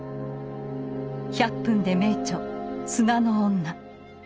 「１００分ｄｅ名著」「砂の女」。